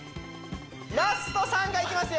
ラスト３回いきますよ